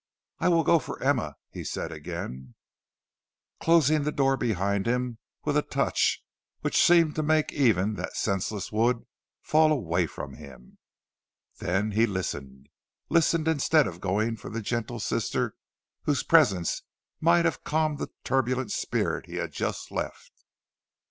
"I will go for Emma," he said again, closing the door behind him with a touch which seemed to make even that senseless wood fall away from him. Then he listened listened instead of going for the gentle sister whose presence might have calmed the turbulent spirit he had just left.